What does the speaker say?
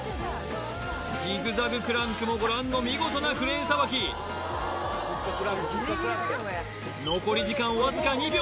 ジグザグクランクもご覧の見事なクレーンさばき残り時間わずか２秒